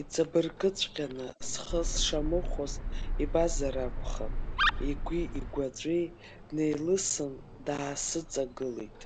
Иҵабыргыҵәҟьаны схы сшамыхәоз ибазар акәхап, игәи-игәаҵәеи неилысын, даасыҵагылеит.